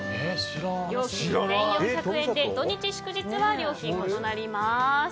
料金１４００円で土日祝日は料金、異なります。